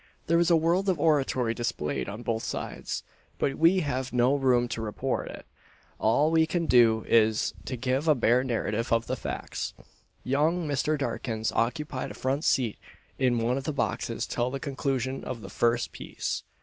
There was a world of oratory displayed on both sides; but we have no room to report it: all we can do is, to give a bare narrative of the facts. Young Mr. Dakins occupied a front seat in one of the boxes till the conclusion of the first piece.